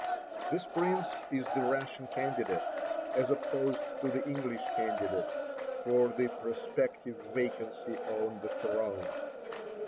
This prince is the Russian candidate, as opposed to the English candidate, for the prospective vacancy on the throne.